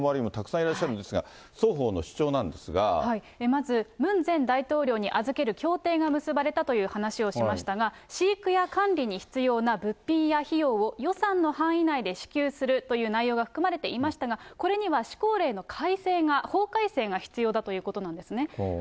まず、ムン前大統領に預ける協定が結ばれたという話をしましたが、飼育や管理に必要な物品や費用を、予算の範囲内で支給するという内容が含まれていましたが、これには施行令の改正が、法改正が必要だということなんですね。